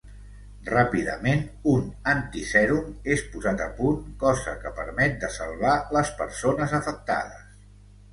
Ràpidament, un antisèrum és posat a punt cosa que permet de salvar les persones afectades.